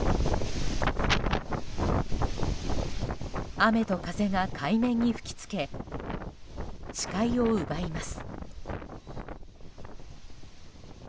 雨と風が海面に吹き付け視界を奪います。